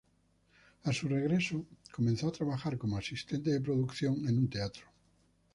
A su regreso comenzó a trabajar como asistente de producción en un teatro.